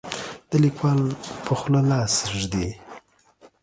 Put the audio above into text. د لیکوال په خوله لاس ږدي.